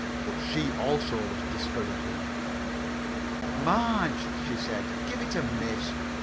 But she also was discouraging. "Marge," she said, "give it a miss.